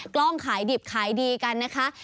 กล้องขายดิบขายดีกันนะคะ